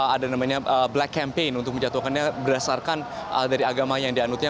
ada namanya black campaign untuk menjatuhkannya berdasarkan dari agama yang dianutnya